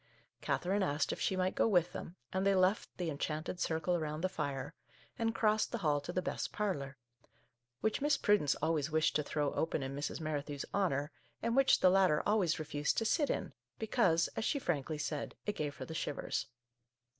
Katherine asked if she might go with them, and they left " the enchanted circle around the fire," and crossed the hall to the " best parlour," — which Miss Prudence always wished to throw open in Mrs. Merrithew's honour, and which the latter always refused to sit in, because, as she frankly said, it gave her the shivers.